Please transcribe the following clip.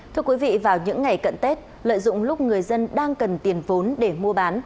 thưa quý vị vào những ngày cận tết lợi dụng lúc người dân đang cần tiền vốn để mua bán